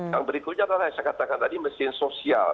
yang berikutnya saya katakan tadi mesin sosial